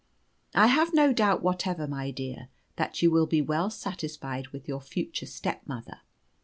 I have no doubt whatever, my dear child, that you will be well satisfied with your future stepmother.